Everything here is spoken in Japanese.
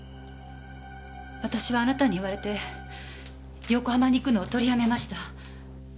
私はあなたに言われて横浜に行くのを取りやめました。